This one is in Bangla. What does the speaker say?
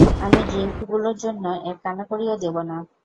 আমি ড্রিংকগুলোর জন্য এক কানাকড়িও দেবো না।